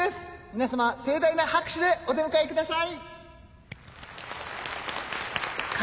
皆様盛大な拍手でお出迎えください。